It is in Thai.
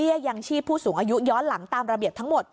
ยังชีพผู้สูงอายุย้อนหลังตามระเบียบทั้งหมด